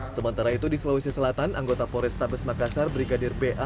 sementara itu di sulawesi selatan anggota porestabes makassar brigadir ba